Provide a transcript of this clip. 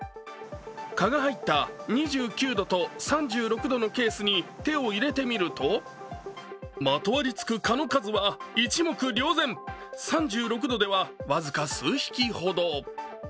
蚊が入った２９度と３６度のケースに手を入れてみるとまとわりつく蚊の数は一目瞭然、３６度では僅か数匹ほど。